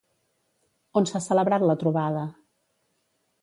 On s'ha celebrat la trobada?